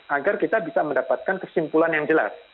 agar kita bisa mendapatkan kesimpulan yang jelas